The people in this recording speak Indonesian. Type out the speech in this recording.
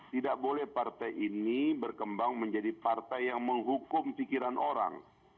tidak boleh partai ini berkembang menjadi partai yang menghukum pikiran orang